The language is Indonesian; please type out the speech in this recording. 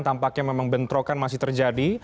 tampaknya memang bentrokan masih terjadi